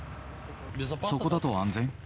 そこだと安全？